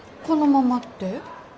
このままって？